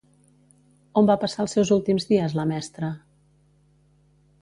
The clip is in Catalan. On va passar els seus últims dies la mestra?